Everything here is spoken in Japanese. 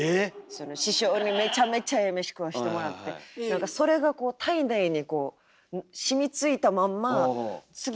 その師匠にめちゃめちゃええ飯食わしてもらって何かそれがこう体内にこうしみついたまんま次いくの怖くて。